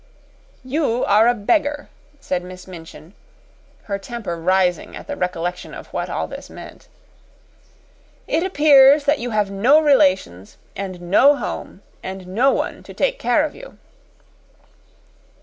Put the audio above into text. "You are a beggar," said Miss Minchin, her temper rising at the recollection of what all this meant. "It appears that you have no relations and no home, and no one to take care of you."